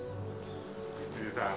藤井さん。